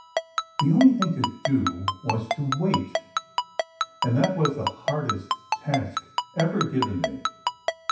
The only thing to do was to wait, and that was the hardest task ever given me.